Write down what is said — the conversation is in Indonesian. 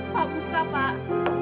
pak buka pak